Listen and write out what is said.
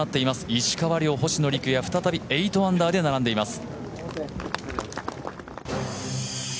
石川遼、星野陸也、再び８アンダーで並んでいます。